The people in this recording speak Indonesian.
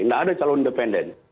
tidak ada calon independen